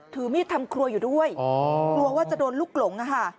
ถือมีดทำครัวอยู่ด้วยกลัวว่าจะโดนลูกหลง